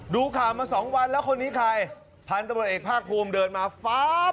ดูข่ามหา๒วันแล้วคนนี้๑๒๐๐เอกภาคภูมิเดินมาฟ้า้บ